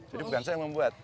bukan saya yang membuat